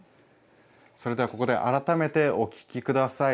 それではここで改めてお聴きください。